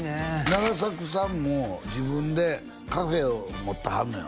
永作さんも自分でカフェを持ってはんのよ